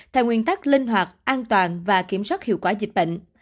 theo nguyên tắc linh hoạt an toàn và kiểm soát hiệu quả dịch bệnh